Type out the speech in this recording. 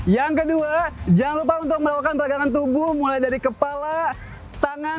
yang kedua jangan lupa untuk melakukan ragangan tubuh mulai dari kepala tangan